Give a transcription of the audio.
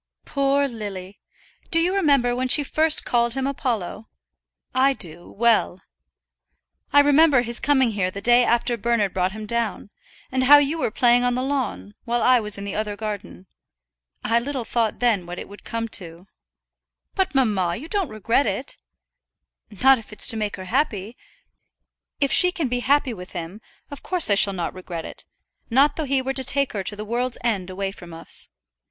"Poor Lily! Do you remember when she first called him Apollo? I do, well. I remember his coming here the day after Bernard brought him down, and how you were playing on the lawn, while I was in the other garden. I little thought then what it would come to." "But, mamma, you don't regret it?" "Not if it's to make her happy. If she can be happy with him, of course I shall not regret it; not though he were to take her to the world's end away from us.